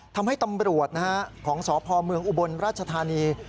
ทำให้ตำรวจของสพเมืองอุบลราชธานี